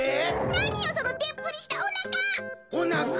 なによそのでっぷりしたおなか！